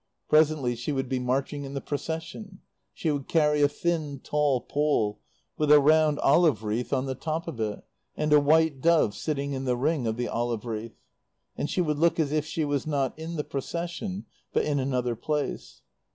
Presently she would be marching in the Procession. She would carry a thin, tall pole, with a round olive wreath on the top of it, and a white dove sitting in the ring of the olive wreath. And she would look as if she was not in the Procession but in another place.